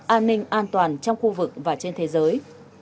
an ninh an toàn trong khu vực và trên thế giới